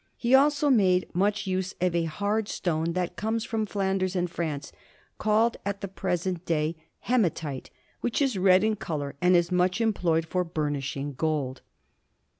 He also made much use of a hard stone that comes from Flanders and France, called at the present day hematite, which is red in colour and is much employed for burnishing gold.